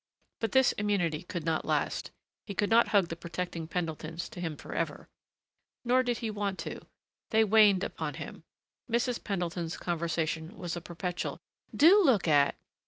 But this immunity could not last. He could not hug the protecting Pendletons to him forever. Nor did he want to. They waned upon him. Mrs. Pendleton's conversation was a perpetual, "Do look at